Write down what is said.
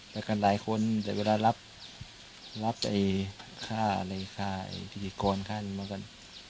ไปกันหลายคนแต่เวลารับรับไอ้ข้าอะไรข้าไอ้ภิกรข้าอะไรมากัน